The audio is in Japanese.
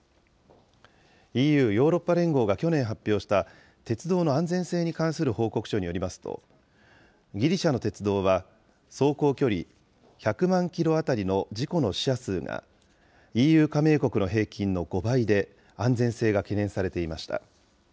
ＥＵ・ヨーロッパ連合が去年発表した鉄道の安全性に関する報告書によりますと、ギリシャの鉄道は、走行距離１００万キロ当たりの事故の死者数が、ＥＵ加盟国の平均の５倍で、安全性が懸念されていました。